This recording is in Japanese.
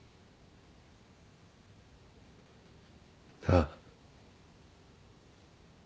ああ。